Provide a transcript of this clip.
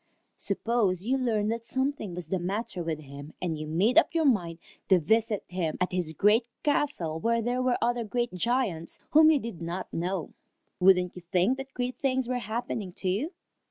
Suppose you learned that something was the matter with him, and you made up your mind to visit him at his great castle where there were other great giants whom you did not know. Wouldn't you think that great things were happening to you?